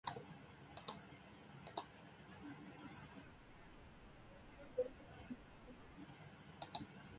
こんにちはおはようございますこんばんは